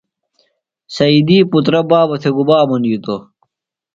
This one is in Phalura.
سیدی پُترہ بابہ تھےۡ گُبا منِیتوۡ؟